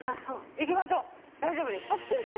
行きましょう大丈夫です。